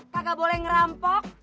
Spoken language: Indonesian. kagak boleh ngerampok